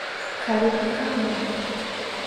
Karupi kahun.